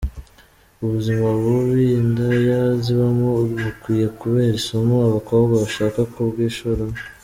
Ubuzima bubi indaya zibamo bukwiye kubera isomo abakobwa bashaka kubwishoramo.